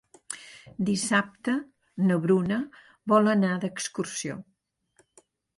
Dissabte na Bruna vol anar d'excursió.